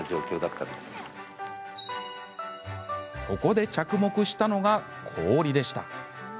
そこで着目したのが、氷でした。